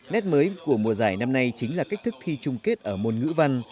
nét mới của mùa giải năm nay chính là cách thức thi chung kết ở môn ngữ văn